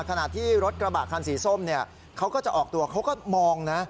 ขณะที่รถกระบะคันสีส้มเนี่ยเขาก็จะออกตัวเขาก็มองนะ